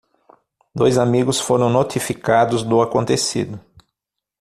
Dois amigos foram notificados do acontecido.